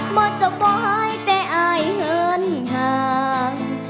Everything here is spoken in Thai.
มัดเจ้าไปแต่อายเหินห่าง